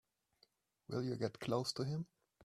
Will you get close to him?